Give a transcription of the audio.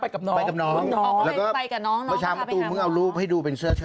ไปกับน้องก็ถ่ายให้กับน้องประชาปุตุเมื่อเอารูปให้ดูเป็นเสื้อเชิ้ด